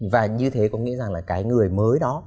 và như thế có nghĩa rằng là cái người mới đó